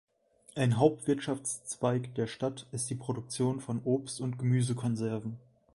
Ein Hauptwirtschaftszweig der Stadt ist die Produktion von Obst- und Gemüsekonserven.